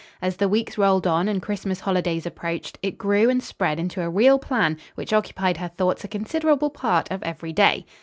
As the weeks rolled on, and Christmas holidays approached, it grew and spread into a real plan which occupied her thoughts a considerable part of every day.